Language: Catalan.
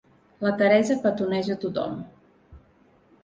La Teresa petoneja tothom.